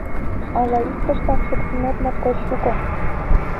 Ала иктыштак шуктынет моткоч шуко